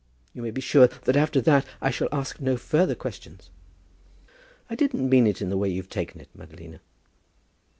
You may be sure that after that I shall ask no further questions." "I didn't mean it in the way you've taken it, Madalina."